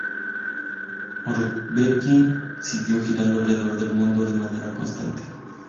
Overkill siguió girando alrededor del mundo de manera constante.